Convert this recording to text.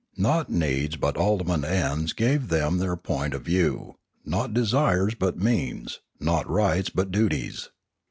Not needs but ultimate ends gave them their point of view, not desires but means, not rights but duties.